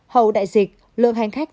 hầu đại dịch lượng hành khách